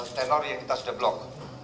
tenor yang kita sudah blok